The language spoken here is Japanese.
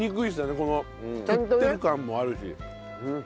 この食ってる感もあるし。